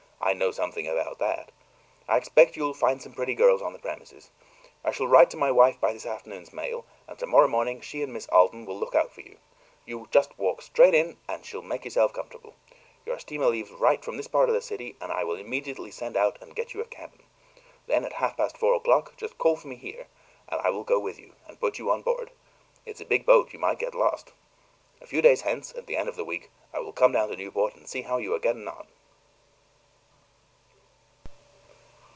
I know something about that. I expect you'll find some pretty girls on the premises. I shall write to my wife by this afternoon's mail, and tomorrow morning she and Miss Alden will look out for you. Just walk right in and make yourself comfortable. Your steamer leaves from this part of the city, and I will immediately send out and get you a cabin. Then, at half past four o'clock, just call for me here, and I will go with you and put you on board. It's a big boat; you might get lost. A few days hence, at the end of the week, I will come down to Newport and see how you are getting on."